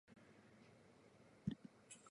左右田は激怒した。